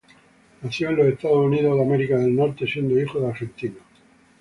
Nació en Estados Unidos siendo hijo de argentinos.